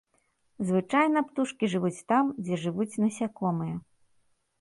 Звычайна птушкі жывуць там, дзе жывуць насякомыя.